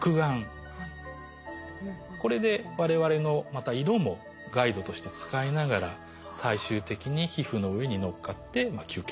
これでわれわれのまた色もガイドとして使いながら最終的に皮膚の上にのっかって吸血を始めると。